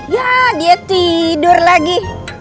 ya dia tidur lagi